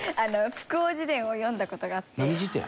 『福翁自伝』を読んだ事があって。